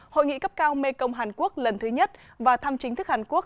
hội nghị cấp cao mekong hàn quốc lần thứ nhất và thăm chính thức hàn quốc